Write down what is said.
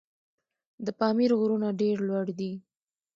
د پامیر غرونه ډېر لوړ دي.